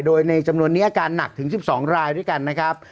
โดยในจำนวนนี้อาการหนักถึง๑๒รายด้วยกันนะครับ